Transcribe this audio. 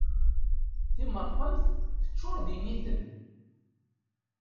Timerqemt teččur d initen.